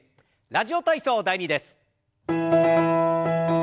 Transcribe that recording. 「ラジオ体操第２」です。